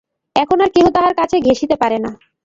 এখন আর কেহ তাহার কাছে ঘেঁষিতে পারে না।